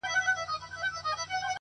هغه چي هيڅو نه لري په دې وطن کي _